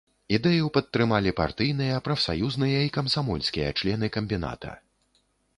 Ідэю падтрымалі партыйныя, прафсаюзныя і камсамольскія члены камбіната.